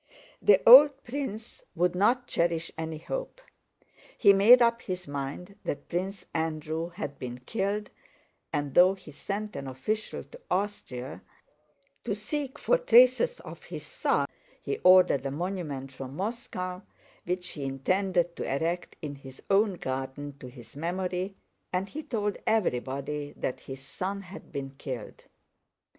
The old prince would not cherish any hope: he made up his mind that Prince Andrew had been killed, and though he sent an official to Austria to seek for traces of his son, he ordered a monument from Moscow which he intended to erect in his own garden to his memory, and he told everybody that his son had been killed.